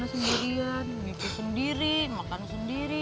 neng sendiri ngejain sendiri makan sendiri segala apa apa sendiri